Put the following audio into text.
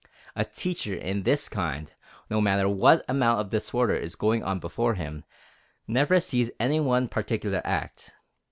A teacher of this kind, no matter what amount of disorder is going on before him, never sees any one particular act.